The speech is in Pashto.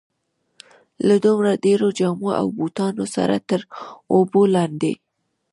له دومره ډېرو جامو او بوټانو سره تر اوبو لاندې.